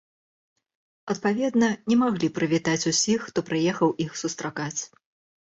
Адпаведна не маглі прывітаць усіх, хто прыехаў іх сустракаць.